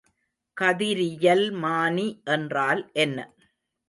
கதிரியல்மானி என்றால் என்ன?